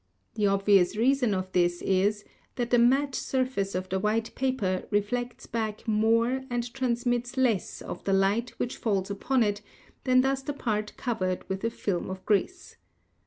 The obvious reason of this is that the matt surface of the white paper reflects back more and transmits less of the light which falls upon it than does the part covered with a film of grease.